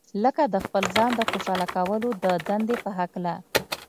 لکه د خپل ځان د خوشاله کولو د دندې په هکله.